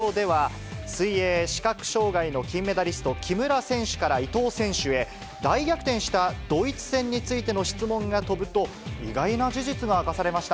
そして、パラリンピアンも参加したトークショーでは、水泳視覚障がいの金メダリスト、木村選手から伊藤選手ヘ、大逆転したドイツ戦についての質問が飛ぶと、意外な事実が明かされました。